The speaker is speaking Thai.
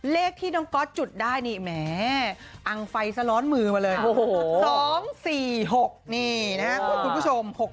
เลขที่น้องก๊อตจุดได้นี่แหมอังไฟสะร้อนมือมาเลย๒๔๖นี่นะครับคุณผู้ชม